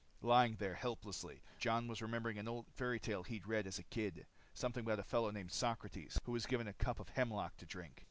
Lying there helplessly, Jon was remembering an old fairy tale he'd read as a kid. Something about a fellow named Socrates who was given a cup of hemlock to drink.